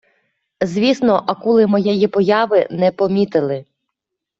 Звісно, акули моєї появи не помітили.